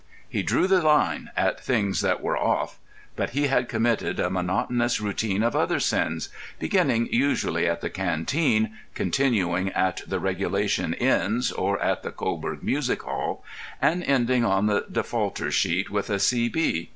He drew the line at things that were "off." But he had committed a monotonous routine of other sins, beginning usually at the canteen, continuing at the "regulation" inns or at the Cobourg Music hall, and ending on the defaulter sheet with a C.